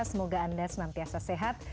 semoga anda senantiasa sehat